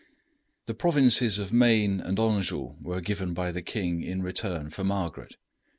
The provinces of Maine and Anjou were given by the king in return for Margaret.